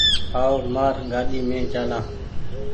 آئو مآر گآڏي مين چآلآن ۔